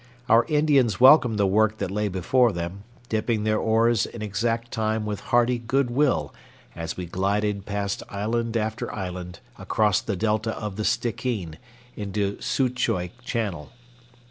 Our Indians welcomed the work that lay before them, dipping their oars in exact time with hearty good will as we glided past island after island across the delta of the Stickeen into Soutchoi Channel.